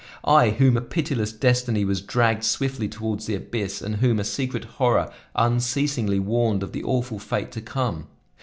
I, whom a pitiless destiny was dragging swiftly toward the abyss and whom a secret horror unceasingly warned of the awful fate to come!